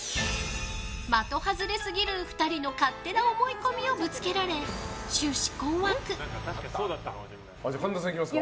的外れすぎる２人の勝手な思い込みをぶつけられ神田さん、いきますか？